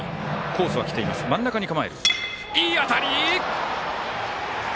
いい当たり！